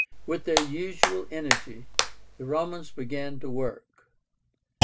With their usual energy, the Romans began the work.